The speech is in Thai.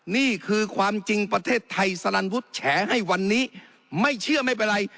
นี่คือความจริงประเทศไทยสลันวุฒิแฉให้วันนี้ไม่เชื่อไม่เป็นไร